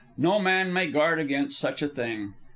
No man may guard against such a thing.